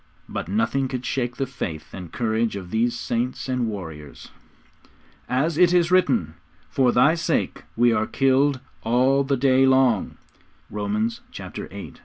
But nothing could shake the faith and courage of these saints and warriors. 'As it is written, For Thy sake we are killed all the day long.' (Romans viii.